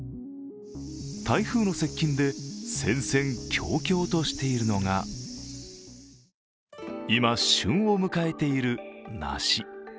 台風の接近で戦々恐々としているのが今、旬を迎えている梨。